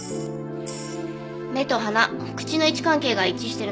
目と鼻口の位置関係が一致してるの。